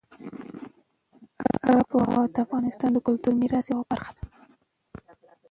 آب وهوا د افغانستان د کلتوري میراث یوه برخه ده.